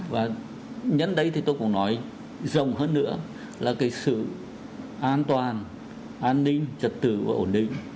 và nhân đây thì tôi cũng nói rộng hơn nữa là cái sự an toàn an ninh trật tự và ổn định